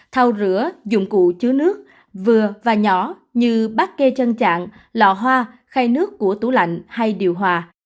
thao rửa dụng cụ chứa nước vừa và nhỏ như bát kê chân trạng lò hoa khe nước của tủ lạnh hay điều hòa